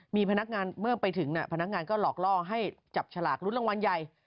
มีพนักงานเมื่อไปถึงพนักงานก็หลอกล่อให้จับฉลากรุ้นรางวัลใหญ่